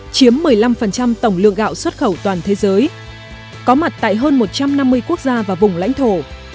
chiếm một mươi năm tổng lượng gạo xuất khẩu toàn thế giới có mặt tại hơn một trăm năm mươi quốc gia và vùng lãnh thổ